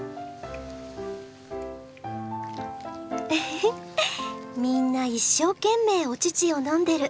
フフフみんな一生懸命お乳を飲んでる。